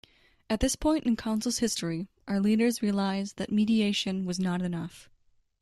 At this point in Council's history our leaders realized that mediation was not enough.